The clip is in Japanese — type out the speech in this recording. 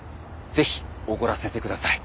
是非おごらせてください。